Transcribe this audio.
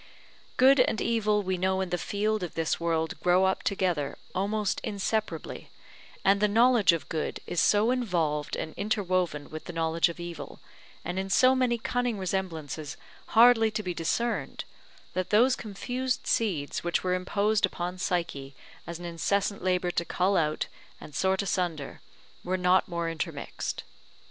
Good and evil we know in the field of this world grow up together almost inseparably; and the knowledge of good is so involved and interwoven with the knowledge of evil, and in so many cunning resemblances hardly to be discerned, that those confused seeds which were imposed upon Psyche as an incessant labour to cull out, and sort asunder, were not more intermixed.